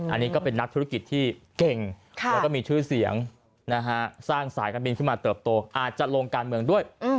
อันนี้ก็เป็นนักธุรกิจที่เก่งแล้วก็มีชื่อเสียงสร้างสายการบินขึ้นมาเติบโตอาจจะลงการเมืองด้วย